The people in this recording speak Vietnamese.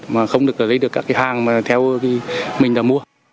mà không được lấy được các cái hàng mà theo mình là mua